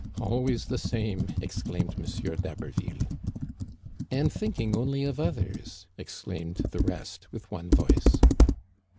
" Always the same," exclaimed M. d'Haberville. And thinking only of others !" exclaimed the rest, with one voice.